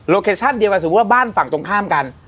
เคชั่นเดียวกันสมมุติว่าบ้านฝั่งตรงข้ามกัน